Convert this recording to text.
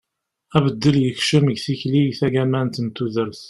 abeddel yekcem deg tikli tagamant n tudert